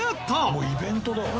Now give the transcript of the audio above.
もうイベントだ。